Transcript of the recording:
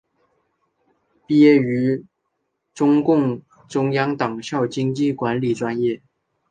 毕业于中共中央党校经济管理专业。